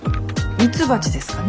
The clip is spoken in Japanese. ミツバチですかね。